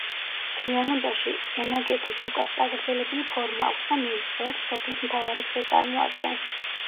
მთლიანობაში, ენაგეთის რუკას წაგრძელებული ფორმა აქვს და მის ღერძს სოფლის მთავარი გზა წარმოადგენს.